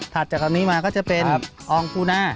ถัดจากตรงนี้มาก็จะเป็นอองปูนา